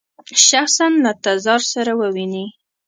شخصاً له تزار سره وویني.